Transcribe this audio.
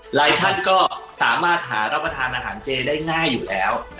หลายท่านก็สามารถหารับประทานอาหารเจได้ง่ายอยู่แล้ว